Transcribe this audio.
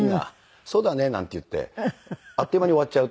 「そうだね」なんて言ってあっという間に終わっちゃう。